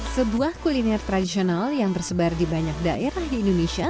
sebuah kuliner tradisional yang tersebar di banyak daerah di indonesia